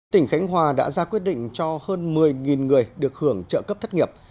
tỉnh khánh hòa đã ra quyết định cho hơn một mươi người được hưởng trợ cấp thất nghiệp